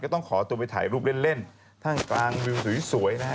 ต้องขอตัวไปถ่ายรูปเล่นท่ามกลางวิวสวยนะฮะ